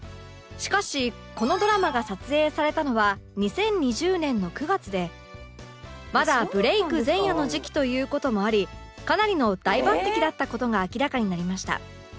しかしこのドラマが撮影されたのは２０２０年の９月でまだブレイク前夜の時期という事もありかなりの大抜擢だった事が明らかになりました